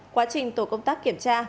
quá trình tổ công tác kiểm tra